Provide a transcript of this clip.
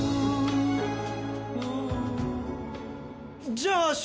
じゃあ駿